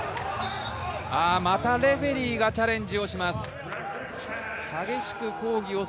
またレフェリーがチャレンジをします。